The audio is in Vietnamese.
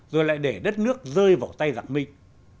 rồi lại để đất nước rơi vào tay giặc minh